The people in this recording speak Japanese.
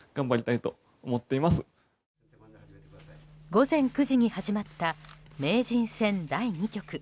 午前９時に始まった名人戦第２局。